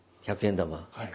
１００円玉。